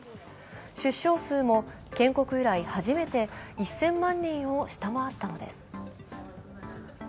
出生数も建国以来初めて１０００万人を下回ったのです。